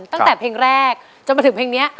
ตั้งแต่เพลงแรกจนมาถึงเพลงนี้